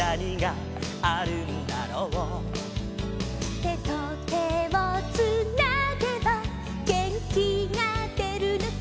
「てとてをつなげばげんきがでるのさ」